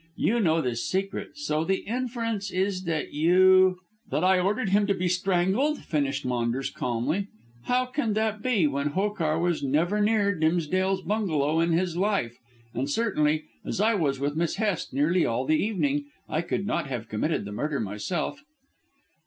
You know this secret, so the inference is that you " "That I ordered him to be strangled?" finished Maunders calmly. "How can that be when Hokar was never near Dimsdale's bungalow in his life, and certainly, as I was with Miss Hest nearly all the evening, I could not have committed the murder myself."